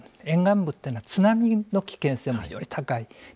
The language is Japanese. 沿岸部というのは津波の危険性も非常に高い。